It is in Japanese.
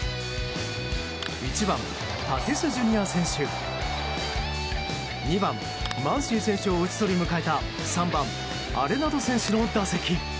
１番、タティスＪｒ．選手２番、マンシー選手を打ち取り迎えた３番、アレナド選手の打席。